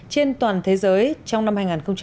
trên toàn thế giới trong năm hai nghìn một mươi bảy